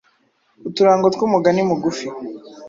Uturango tw’umugani mugufi: